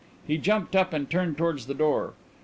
He jumped up and turned towards the door.